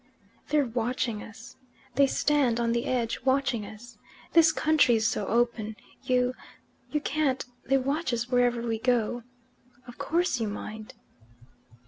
"They're watching us. They stand on the edge watching us. This country's so open you you can't they watch us wherever we go. Of course you mind."